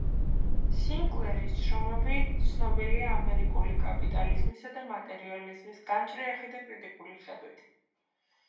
სინკლერის შრომები ცნობილია ამერიკული კაპიტალიზმისა და მატერიალიზმის გამჭრიახი და კრიტიკული ხედვით.